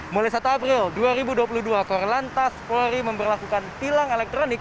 mulai satu april dua ribu dua puluh dua korlantas polri memperlakukan tilang elektronik